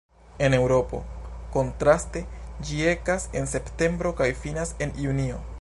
En Eŭropo, kontraste, ĝi ekas en septembro kaj finas en junio.